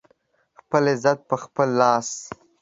خپل عزت په خپل لاس